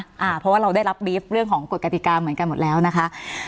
เพราะว่าเราได้รับรีฟเรื่องของกฎกติกาเหมือนกันหมดแล้วนะคะ